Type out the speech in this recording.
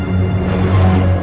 ya ya sudah